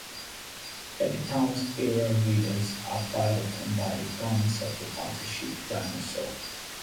Everytown's aerial raiders are fired upon by the "guns of the battleship Dinosaur".